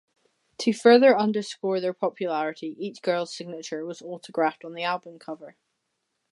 To further underscore their popularity, each girl's signature was autographed on the album cover.